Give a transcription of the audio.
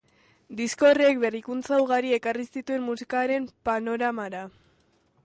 Disko horrek berrikuntza ugari ekarri zituen musikaren panoramara.